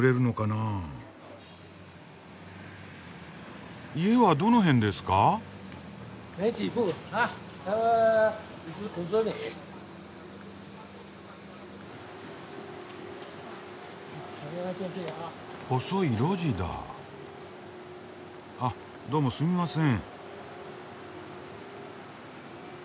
あどうもすみません。